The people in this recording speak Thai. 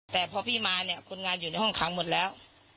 แต่พอพี่มาเนี่ยคนงานอยู่ในห้องขังหมดแล้ว